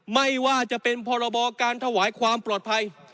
ไม่ว่าจะเป็นพรบการถวายความปลอดภัย